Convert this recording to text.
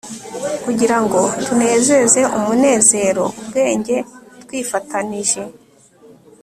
kugira ngo tunezeze umunezero, ubwenge twifatanije